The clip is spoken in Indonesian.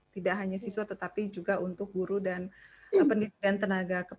tidak hanya siswa tetapi juga untuk guru dan pendidikan tenaga